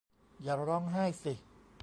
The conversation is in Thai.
อย่าร้องไห้สิ